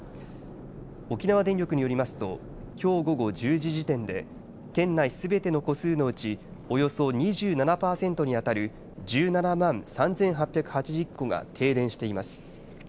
沖縄電力によりますときょう午後１０時時点で県内すべての戸数のうちおよそ２７パーセントに当たる１７万３８８０戸が停電しています。